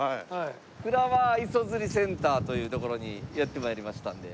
フラワー磯釣りセンターという所にやって参りましたんで。